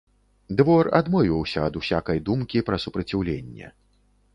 Двор адмовіўся ад усякай думкі пра супраціўленне.